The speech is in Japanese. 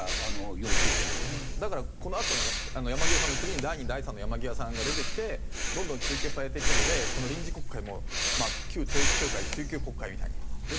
だからこのあとにね山際さんの次に第２第３の山際さんが出てきてどんどん追及されていくのでこの臨時国会もまあ旧統一教会追及国会みたいになって。